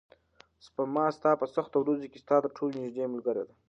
سپما ستا په سختو ورځو کې ستا تر ټولو نږدې ملګرې ده.